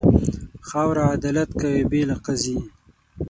خاوره عدالت کوي، بې له قاضي.